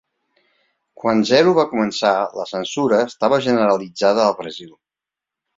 Quan Zero va començar, la censura estava generalitzada a Brasil.